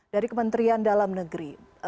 dari kementerian dalam negeri